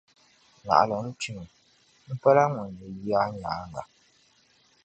Naɣila n kpimi, m pala ŋun ni yi anyaaŋa.